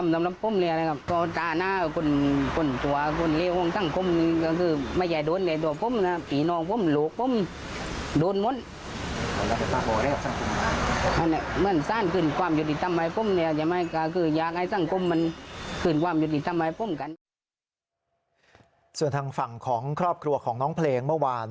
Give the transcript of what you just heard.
ส่วนทางฝั่งของครอบครัวของน้องเพลงเมื่อวาน